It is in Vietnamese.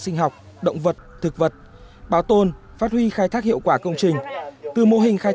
sinh học động vật thực vật bảo tồn phát huy khai thác hiệu quả công trình từ mô hình khai